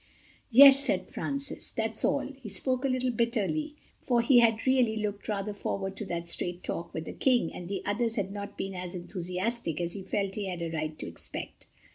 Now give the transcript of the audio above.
"Yes," said Francis. "That's all." He spoke a little bitterly, for he had really rather looked forward to that straight talk with the King, and the others had not been as enthusiastic as he felt he had a right to expect.